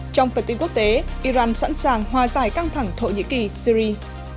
trong phần tin quốc tế iran sẵn sàng hòa giải căng thẳng thổ nhĩ kỳ syri